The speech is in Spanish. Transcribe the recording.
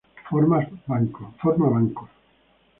Forma bancos.